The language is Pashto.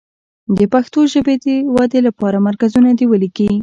د پښتو ژبې ودې لپاره مرکزونه دې ولیکي.